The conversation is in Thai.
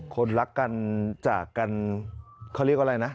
คนรักกันจากกันเขาเรียกอะไรนะ